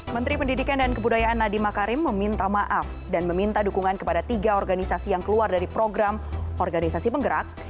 menteri pendidikan dan kebudayaan nadiem makarim meminta maaf dan meminta dukungan kepada tiga organisasi yang keluar dari program organisasi penggerak